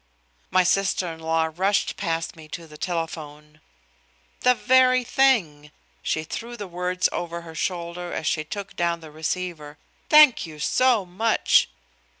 My sister in law rushed past me to the telephone. "The very thing!" She threw the words over her shoulder as she took down the receiver. "Thank you so much."